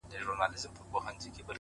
ستا په لاس کي د گلونو فلسفې ته’